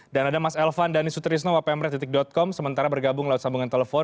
dan ada mas elvan danisuterisno wpm red com sementara bergabung lewat sambungan telepon